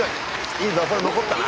いいぞこれ残ったな。